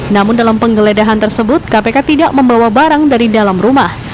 namun dalam penggeledahan tersebut kpk tidak membawa barang dari dalam rumah